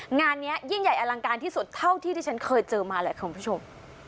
งานนี้ยิ่งใหญ่อลังการที่สุดเท่าที่ที่ฉันเคยเจอมาแหละคุณผู้ชม